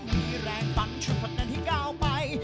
มีแรงตังค์ช่วยพวกนั้นที่ก้าวไป